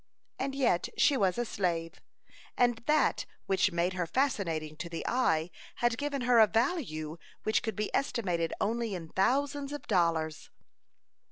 And yet she was a slave, and that which made her fascinating to the eye had given her a value which could be estimated only in thousands of dollars.